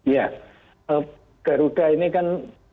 ya garuda ini kan